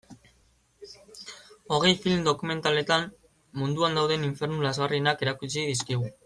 Hogei film dokumentaletan munduan dauden infernu lazgarrienak erakutsi dizkigu.